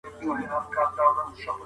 کابینه سوله ایزې خبرې نه ځنډوي.